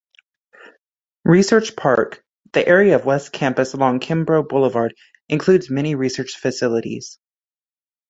Research Park, the area of West Campus along Kimbrough Boulevard, includes many research facilities.